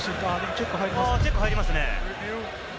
チェック入りますね。